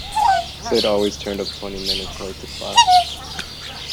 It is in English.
Sid always turned up twenty minutes late to class.